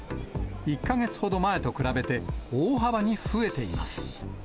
１か月ほど前と比べて、大幅に増えています。